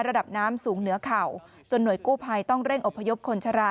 ระดับน้ำสูงเหนือเข่าจนหน่วยกู้ภัยต้องเร่งอพยพคนชรา